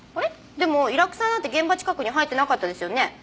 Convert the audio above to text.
でもイラクサなんて現場近くに生えてなかったですよね？